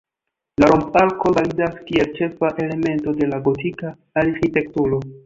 La romp-arko validas kiel ĉefa elemento de la gotika arĥitekturo.